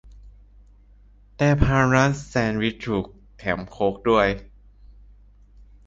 แต่ผ่านร้านแซนด์วิชถูก แถมโค้กด้วย